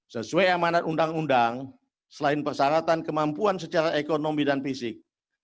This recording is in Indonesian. sesuai amanat undang undang selain persyaratan kemampuan secara ekonomi dan fisik